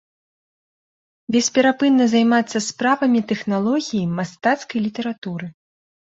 Бесперапынна займацца справамі тэхналогіі мастацкай літаратуры.